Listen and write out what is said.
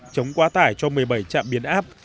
chống quá tải cho một mươi bảy trạm biến áp